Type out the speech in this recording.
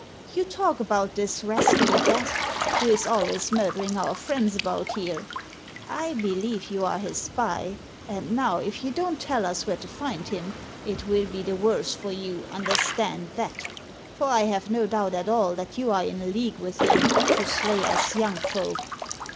You talk about this rascally Death, who is always murdering our friends about here. I believe you are his spy, and now if you don't tell us where to find him, it will be the io8 Z^t ^(XXbOMx'0 'tait worse for you, understand that ; for I have no doubt at all that you are in league with him to slay us young folk."